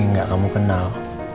yang gak kamu kenal